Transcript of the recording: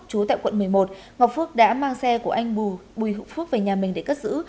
chú tại quận một mươi một ngọc phước đã mang xe của anh bùi hữu phước về nhà mình để cất giữ